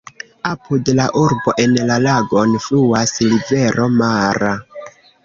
Apud la urbo en la lagon fluas rivero Mara.